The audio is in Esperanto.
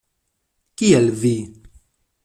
Kiel vi?